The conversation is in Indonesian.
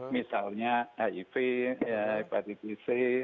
misalnya hiv hepatitis c